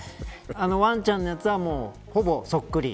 わんちゃんのやつはほぼそっくり。